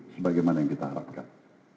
sebagaimana yang kita harapkan